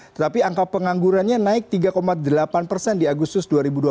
tetapi angka penganggurannya naik tiga delapan persen di agustus dua ribu dua puluh